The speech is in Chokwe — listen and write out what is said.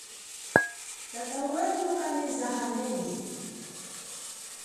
Tata weno kaneza hamene.